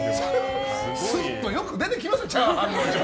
するっとよく出てきますねチャーハンが。